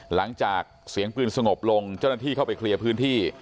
หลังจากเสียงปืนสงบลงเจ้าหน้าที่เข้าไปเคลียร์พื้นที่